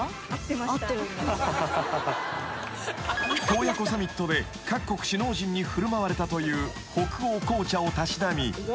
［洞爺湖サミットで各国首脳陣に振る舞われたという北欧紅茶をたしなみ］